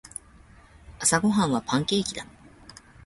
朝ごはんはパンケーキだ。